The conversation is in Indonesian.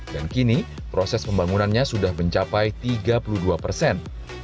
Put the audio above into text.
dan kini proses pembangunannya sudah mencapai tiga puluh dua persen